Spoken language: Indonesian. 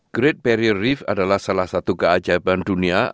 great barrier reef adalah salah satu keajaiban dunia